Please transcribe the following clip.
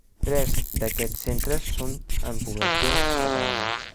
Tres d’aquests centres són en poblacions catalanes.